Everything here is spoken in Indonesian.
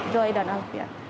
joy dan alvia